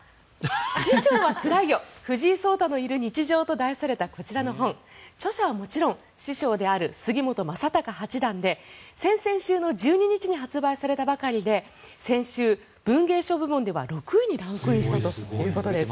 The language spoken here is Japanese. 「師匠はつらいよ藤井聡太のいる日常」と題されたこちらの本著者はもちろん師匠である杉本昌隆八段で先々週の１２日に発売されたばかりで先週、文芸書部門では６位にランクインしたということです。